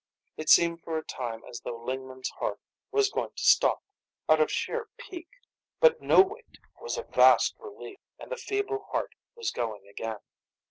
It seemed for a time as though Lingman's heart was going to stop, out of sheer pique. But no weight was a vast relief, and the feeble heart was going again.